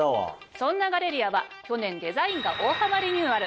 そんなガレリアは去年デザインが大幅リニューアル。